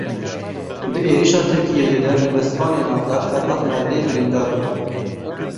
Di êrişa Tirkiyeyê de helbestvanê navdar Ferhad Merdê birîndar bû.